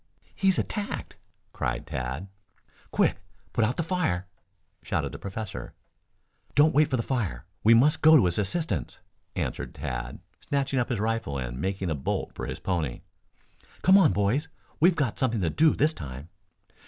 "He's attacked!" cried Tad. "Quick! Put out the fire!" shouted the professor. "Don't wait for the fire. We must go to his assistance!" answered Tad, snatching up his rifle and making a bolt for his pony. "Come on, boys, we've got something to do this time."